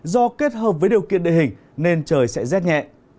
do kết hợp với điều kiện địa hình nên trời sẽ rét nhẹ